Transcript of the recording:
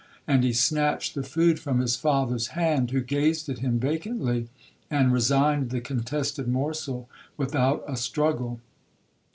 And he snatched the food from his father's hand, who gazed at him vacantly, and resigned the contested morsel without a struggle.